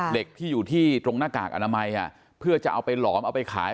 เด็กที่อยู่ที่ตรงหน้ากากอนามัยเพื่อจะเอาไปหลอมเอาไปขาย